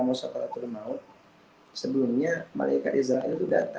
musyarakat bermaut sebelumnya malaikat israel